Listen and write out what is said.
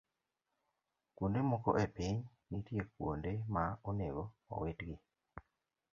Kuonde moko e piny, nitie kuonde ma onego owitgi.